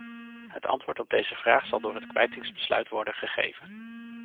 Het antwoord op deze vraag zal door het kwijtingsbesluit worden gegeven.